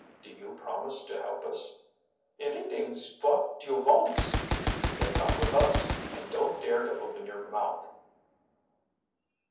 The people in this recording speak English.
"Do you promise to help us"? "Anydings vot you vonts." "Then come with us, and don't dare to open your mouth."